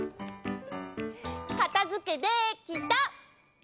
かたづけできた！